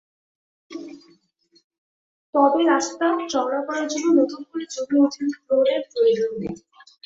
তবে রাস্তা চওড়া করার জন্য নতুন করে জমি অধিগ্রহণের প্রয়োজন নেই।